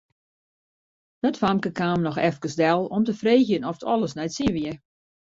Dat famke kaam noch efkes del om te freegjen oft alles nei't sin wie.